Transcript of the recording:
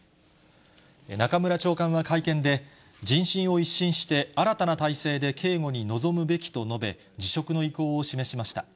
中村長官は会見で、人心を一新して新たな体制で警護に臨むべきと述べ、辞職の意向を示しました。